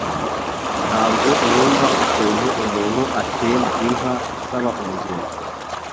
Ntabwo numva ukuntu umuntu atem inka isaba umugeni